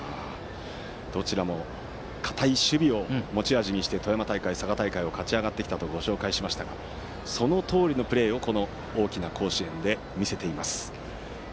どちらも堅い守備を持ち味にして富山大会、佐賀大会を勝ち上がってきたとご紹介しましたがそのとおりのプレーを大きな舞台の甲子園で見せています。